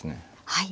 はい。